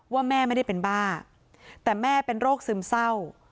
ว่าแม่ไม่ได้เป็นบ้าแต่แม่เป็นโรคซึมเศร้า